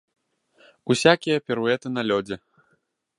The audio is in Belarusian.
Усякія піруэты на лёдзе.